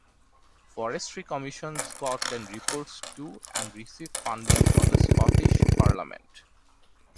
Forestry Commission Scotland reports to, and receives funding from, the Scottish Parliament.